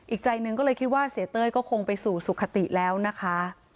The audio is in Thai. อีกใจหนึ่งก็เลยคิดว่าเสียเต้ยก็คงไปสู่สุขติแล้วนะคะ